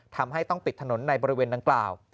ทำให้ต้องปิดถนนในบริเวณดังกล่าว